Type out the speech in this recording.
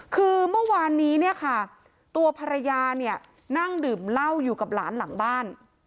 คือเมื่อวานนี้ตัวภรรยานั่งดื่มเหล้าอยู่กับหลานหลังบ้าน